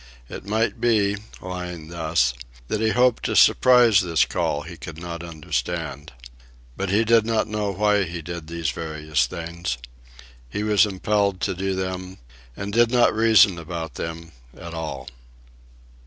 It might be, lying thus, that he hoped to surprise this call he could not understand. But he did not know why he did these various things. He was impelled to do them, and did not reason about them at all.